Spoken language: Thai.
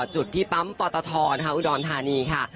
จุดที่ปั๊มปตทอุดรธานีค่ะ